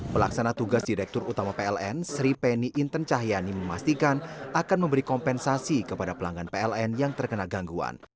pelaksana tugas direktur utama pln sri penny inten cahyani memastikan akan memberi kompensasi kepada pelanggan pln yang terkena gangguan